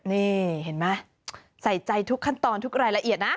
นี่เห็นไหมใส่ใจทุกขั้นตอนทุกรายละเอียดนะ